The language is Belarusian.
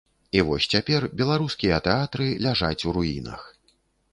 І вось цяпер беларускія тэатры ляжаць у руінах.